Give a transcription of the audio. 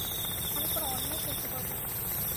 আমি কোনো অন্যায় সহ্য করবো না।